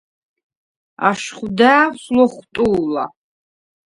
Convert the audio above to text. აშხვ და̄̈ვს ლოხვტუ̄ლა: